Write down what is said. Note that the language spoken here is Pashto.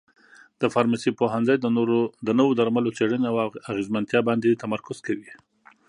د فارمسي پوهنځی د نوو درملو څېړنې او اغیزمنتیا باندې تمرکز کوي.